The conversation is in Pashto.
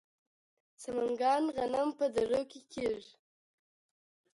د سمنګان غنم په درو کې کیږي.